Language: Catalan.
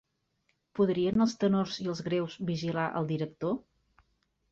Podrien els tenors i els greus vigilar el director?